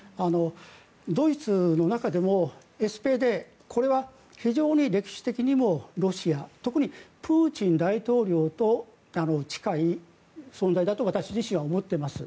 ドイツの中でもＳＰＤ、これは非常に歴史的にもロシア特にプーチン大統領と近い存在だと私自身は思っています。